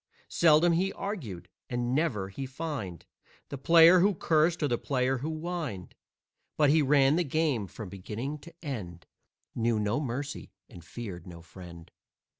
Seldom he argued, and never he fined The player who cursed or the player who whined, But he ran the game from beginning to end, Knew no mercy and feared no friend.